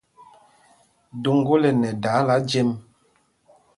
Doŋgǒl ɛ nɛ dáála jem.